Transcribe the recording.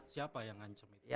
siapa yang ngancam itu